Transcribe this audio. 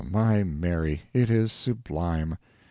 my Mary, it is sublime!